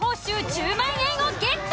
１０万円をゲット。